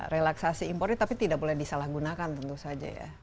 relaksasi impor ini tapi tidak boleh disalahgunakan tentu saja ya